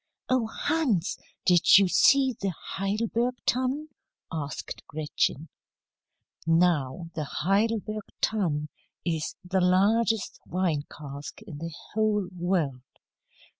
"Oh, Hans! did you see the Heidelberg Tun?" asked Gretchen. Now, the Heidelberg Tun is the largest wine cask in the whole world.